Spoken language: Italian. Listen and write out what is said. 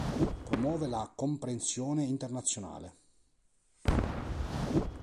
Promuovere la comprensione internazionale.